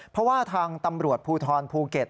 เพราะว่าทางตำรวจภูทรภูเก็ต